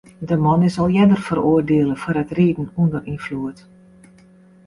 De man is al earder feroardiele foar it riden ûnder ynfloed.